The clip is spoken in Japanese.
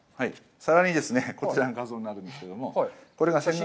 さらにですね、こちらの画像になるんですけれども、写真？